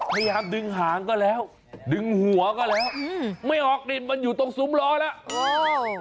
พยายามดึงหางก็แล้วดึงหัวก็แล้วไม่ออกดินมันอยู่ตรงซุ้มล้อแล้ว